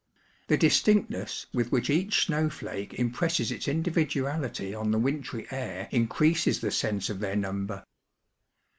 The distinctness with which each snowflake impresses its individoatity on the wintry air increases the sense of their number.